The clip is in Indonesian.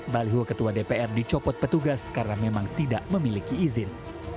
baliho ketua dpr dicopot petugas karena memang tidak memiliki izin